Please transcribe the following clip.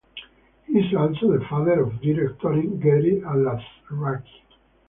He is also the father of directory Gary Alazraki.